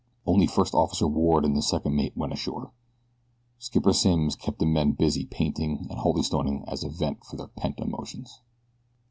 Only First Officer Ward and the second mate went ashore. Skipper Simms kept the men busy painting and holystoning as a vent for their pent emotions.